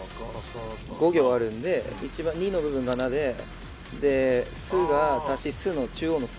５行あるんで②の部分が「な」でで「す」が「さしす」の中央の「す」